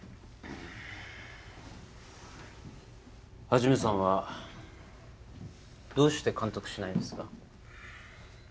一さんはどうして監督しないんですか？